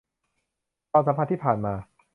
ความสัมพันธ์ที่ผ่านมา